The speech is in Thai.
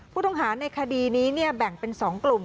ผู้ต้องหาในคดีนี้แบ่งเป็น๒กลุ่ม